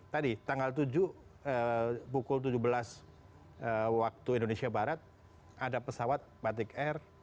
tadi tanggal tujuh pukul tujuh belas waktu indonesia barat ada pesawat batik air